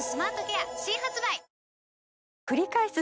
くりかえす